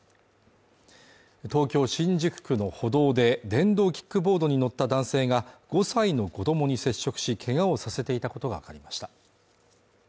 東京新宿区の歩道で電動キックボードに乗った男性が５歳の子供に接触し怪我をさせていたことがわかりました。